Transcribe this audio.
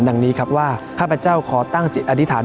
ดังนี้ครับว่าข้าพเจ้าขอตั้งจิตอธิษฐาน